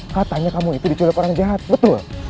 katanya kamu itu diculip orang jahat betul